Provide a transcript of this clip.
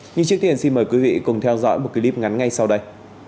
nhưng trước tiên xin mời quý vị cùng theo dõi một clip ngắn ngay sau đây